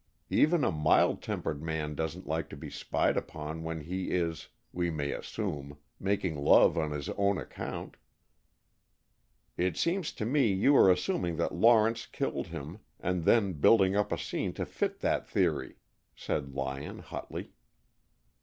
Even a mild tempered man doesn't like to be spied upon when he is, we may assume, making love on his own account." "It seems to me you are assuming that Lawrence killed him, and then building up a scene to fit that theory," said Lyon hotly.